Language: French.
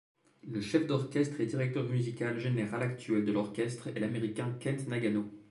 Le chef d'orchestre et directeur musical général actuel de l'orchestre est l'américain Kent Nagano.